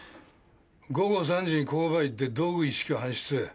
午後３時に工場に行って道具一式を搬出。